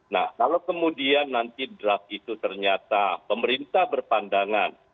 nah kalau kemudian nanti draft itu ternyata pemerintah berpandangan